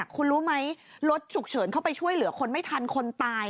คุณรู้ไหมรถฉุกเฉินเข้าไปช่วยเหลือคนไม่ทันคนตาย